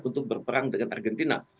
untuk berperang dengan argentina